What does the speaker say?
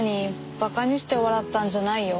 馬鹿にして笑ったんじゃないよ。